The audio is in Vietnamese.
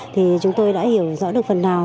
thì chúng tôi đã hiểu rõ được phần nào